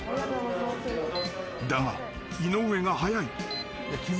［だが井上が速い］